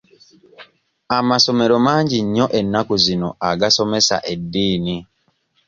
Amasomero mangi nnyo ennaku zino agasomesa eddiini.